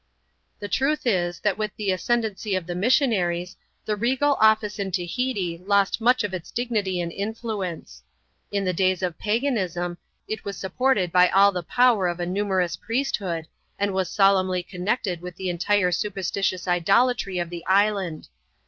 The truth is, that with the ascendency of the missionaries, the regal office in Tahiti lost much of its dignity and influence. In the days of Paganism, it was supported by all the power of a numerous priesthood, and was solemnly connected with the entire superstitious idolatry of the land.